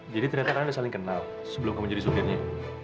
jadi ternyata kalian udah saling kenal sebelum kamu jadi sumbirnya